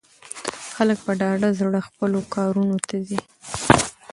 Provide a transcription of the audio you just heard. خلک په ډاډه زړه خپلو کارونو ته ځي.